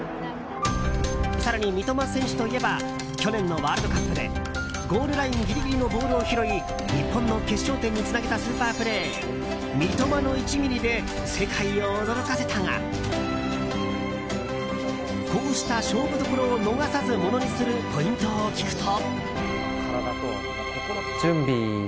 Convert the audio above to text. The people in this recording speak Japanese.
更に、三笘選手といえば去年のワールドカップでゴールラインギリギリのボールを拾い日本の決勝点につなげたスーパープレー三笘の１ｍｍで世界を驚かせたがこうした勝負どころを逃さずものにするポイントを聞くと。